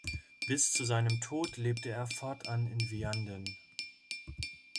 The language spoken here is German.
Bis zu seinem Tod lebte er fortan in Vianden.